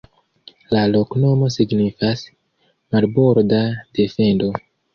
La loknomo signifas: "Marborda defendo".